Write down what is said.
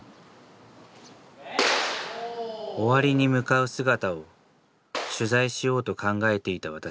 終わりに向かう姿を取材しようと考えていた私。